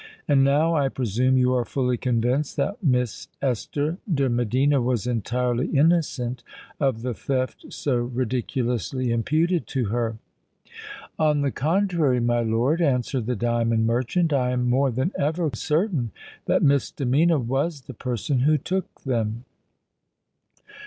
And now, I presume, you are fully convinced that Miss Esther de Medina was entirely innocent of the theft so ridiculously imputed to her." "On the contrary, my lord," answered the diamond merchant: "I am more than ever certain that Miss de Medina was the person who took them."